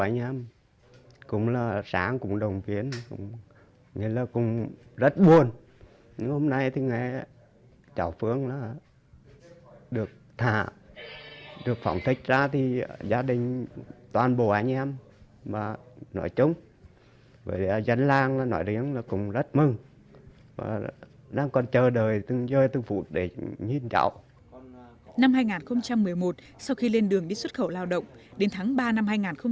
năm hai nghìn một mươi một sau khi lên đường đi xuất khẩu lao động đến tháng ba năm hai nghìn một mươi bốn